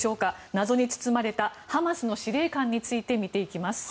謎に包まれたハマスの司令官について見ていきます。